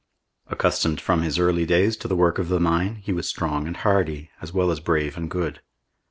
Accustomed from his earliest days to the work of the mine, he was strong and hardy, as well as brave and good.